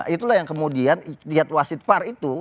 itulah yang kemudian lihat wasit par itu